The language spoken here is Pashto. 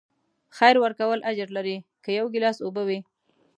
خیر ورکول اجر لري، که یو ګیلاس اوبه وي.